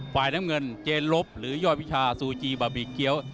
ฝ่ายน้ำเงินเจนลบหรือยอดวิชาซูจีบะหมี่เกี้ยว